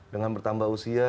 dengan bertambah usia